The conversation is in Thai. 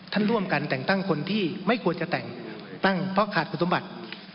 ท่านร่วมกันแต่งตั้งคนที่ไม่ควรจะแต่งตั้งเพราะขาดคุณสมบัติ